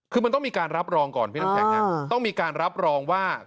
คือมันต้องมีการรับรองก่อนพี่น้ำแข็งต้องมีการรับรองว่า